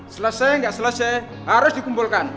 selesai nggak selesai harus dikumpulkan